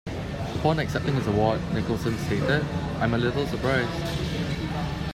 Upon accepting his award, Nicholson stated, I'm a little surprised.